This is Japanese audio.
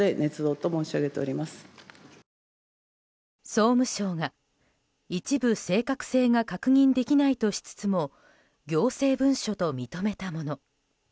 総務省が一部正確性が確認できないとしつつも行政文書と認めたもの。